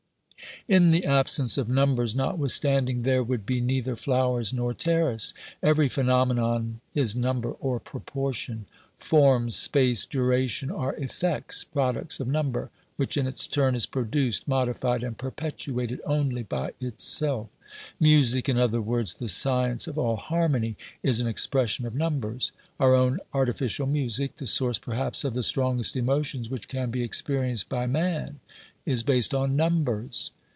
In the absence of numbers notwithstanding, there would be neither flowers nor terrace. Every phenomenon is number or proportion. Forms, space, duration are effects, pro ducts of number, which, in its turn, is produced, modified and perpetuated only by itself. Music, in other words the science of all harmony, is an expression of numbers. Our own arti ficial music, the source perhaps of the strongest emotions which can be experienced by man, is based on numbers.